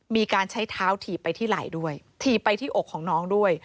มีการใช้เท้าถีบไปที่ไหล่ด้วยถีบไปที่อกของน้องด้วย